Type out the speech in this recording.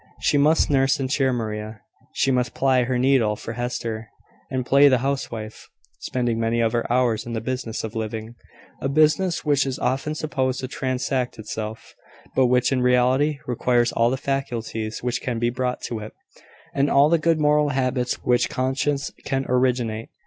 She must nurse and cheer Maria, she must ply her needle for Hester, and play the housewife, spending many of her hours in the business of living; a business which is often supposed to transact itself, but, which in reality requires all the faculties which can be brought to it, and all the good moral habits which conscience can originate.